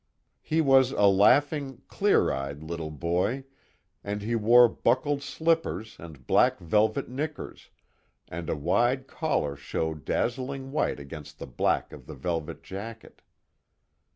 He was a laughing, cleareyed little boy, and he wore buckled slippers and black velvet nickers, and a wide collar showed dazzling white against the black of the velvet jacket.